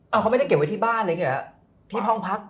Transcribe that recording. เอาเขาไม่ได้เก็บไว้ที่บ้านอะไรอย่างนี้ที่ห้องพัก